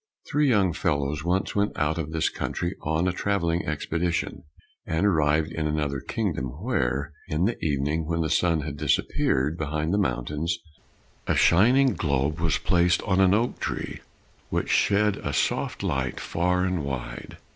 Three young fellows once went out of this country on a travelling expedition, and arrived in another kingdom, where, in the evening when the sun had disappeared behind the mountains, a shining globe was placed on an oak tree, which shed a soft light far and wide.